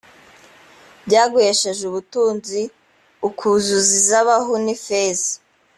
byaguhesheje ubutunzi ukuzuza izahabu n ifeza